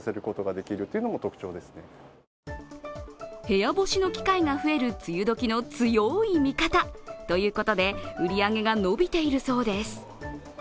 部屋干しの機会が増える梅雨時の強い味方ということで売上が伸びているそうです。